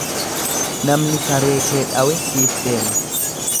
Namni saree kee dhawe siif deema.